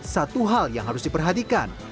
satu hal yang harus diperhatikan